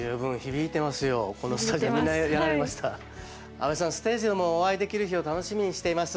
阿部さんステージでもお会いできる日を楽しみにしています。